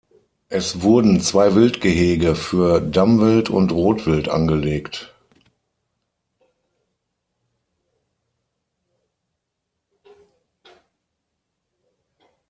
Es wurden zwei Wildgehege für Damwild und Rotwild angelegt.